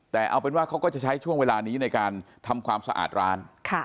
แต่เอาเป็นว่าเขาก็จะใช้ช่วงเวลานี้ในการทำความสะอาดร้าน